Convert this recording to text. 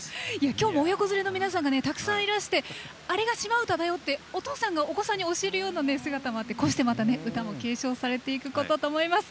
今日も親子連れの皆さんがたくさんいらしてあれが「島唄」だよ！ってお父さんがお子さんに教えるような姿もあってこうして、また歌も継承されていくことかと思います。